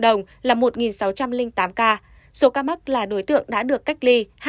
cộng đồng là một sáu trăm linh tám ca số ca mắc là đối tượng đã được cách ly hai ba trăm bảy mươi bốn ca